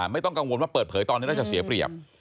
ไม่ต้องกังวลว่าเปิดเผยตอนนี้น่าจะเสียเปรียบ